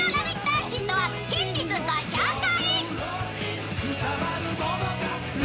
アーティストは近日ご紹介。